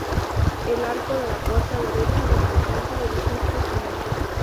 El arco de la puerta derecha representa el Juicio Final.